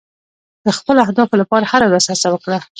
د خپلو اهدافو لپاره هره ورځ هڅه وکړه.